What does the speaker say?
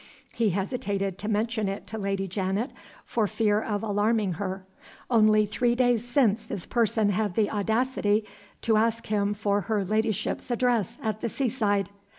He hesitated to mention it to Lady Janet for fear of alarming her. Only three days since this person had the audacity to ask him for her ladyship's address at the sea side.